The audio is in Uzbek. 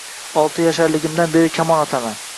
Olti yasharligimdan beri kamon otaman